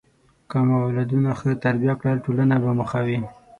که مو اولادونه ښه تربیه کړل، ټولنه به مو ښه وي.